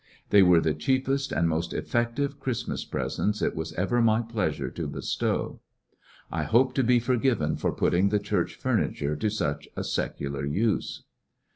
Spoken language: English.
They were the cheapest and most effective Christmas presents it was ever my pleasure to bestow. I hope to be forgiven for putting the church furniture to such a secular use.